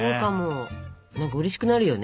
何かうれしくなるよね。